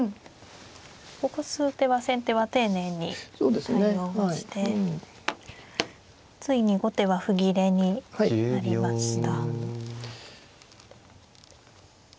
ここ数手は先手は丁寧に対応をしてついに後手は歩切れになりました。